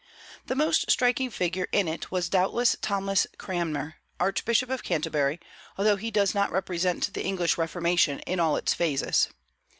The most striking figure in it was doubtless Thomas Cranmer, Archbishop of Canterbury, although he does not represent the English Reformation in all its phases.